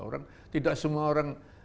orang tidak semua orang